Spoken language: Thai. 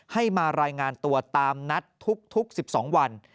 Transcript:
ให้มารายงานตัวตามนัดทุก๑๒วัน